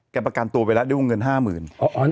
แกประการตัวไปแล้วได้วงเงิน๕๐๐๐๐